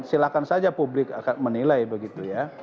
silakan saja publik menilai begitu ya